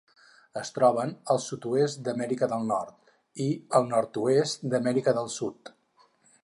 Es troben al sud-oest d'Amèrica del Nord i el nord-oest d'Amèrica del Sud.